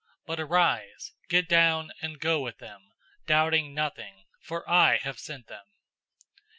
010:020 But arise, get down, and go with them, doubting nothing; for I have sent them."